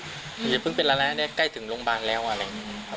หนูอย่าเพิ่งเป็นอะไรนะใกล้ถึงโรงพยาบาลแล้ว